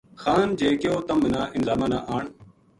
خان جے کہیو تَم مَنا اِنھ ظالماں نا آن